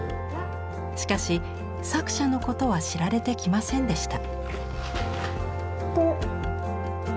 しかし作者のことは知られてきませんでした。